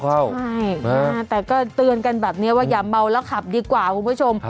ใช่แต่ก็เตือนกันแบบนี้ว่าอย่าเมาแล้วขับดีกว่าคุณผู้ชม